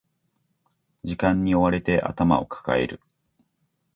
時間に追われて頭を抱える